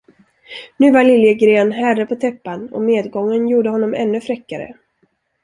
Nu var Liljegren herre på täppan och medgången gjorde honom ännu fräckare.